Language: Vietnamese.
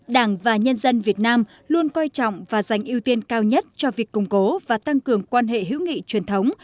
đảng và nhân dân việt nam luôn coi trọng và dành ưu tiên cao nhất cho việc củng cố và tăng cường quan hệ hữu nghị truyền thống